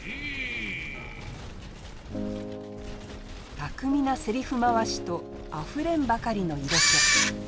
巧みなセリフ回しとあふれんばかりの色気。